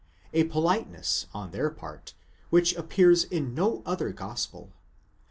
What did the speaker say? —a politeness on their part which appears in no other gospel.